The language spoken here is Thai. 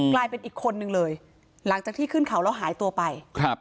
กลายเป็นอีกคนนึงเลยหลังจากที่ขึ้นเขาแล้วหายตัวไปครับ